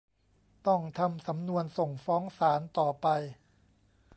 ต้องทำสำนวนส่งฟ้องศาลต่อไป